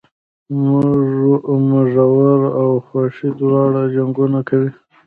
مږور او خواښې دواړه جنګونه کوي